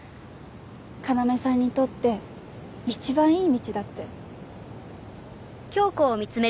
要さんにとって一番いい道だって。